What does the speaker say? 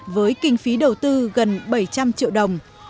với kinh phí đầu tư gần bảy trăm linh triệu đồng